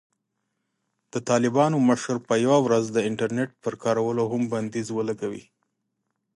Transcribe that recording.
د طالبانو مشر به یوه ورځ د "انټرنېټ" پر کارولو هم بندیز ولګوي.